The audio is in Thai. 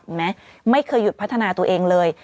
เห็นไหมไม่เคยหยุดพัดธนาตัวเองเลย